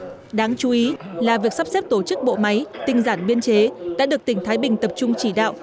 đáng chú ý là việc sắp xếp tổ chức bộ máy tinh giản biên chế đã được tỉnh thái bình tập trung chỉ đạo